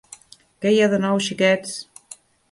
Què hi ha de nou, xiquets?